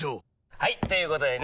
はいということでね